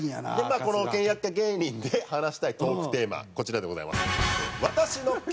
まあこの倹約家芸人で話したいトークテーマこちらでございます。